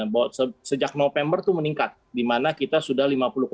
bahwa sejak november itu meningkat di mana kita sudah lima puluh empat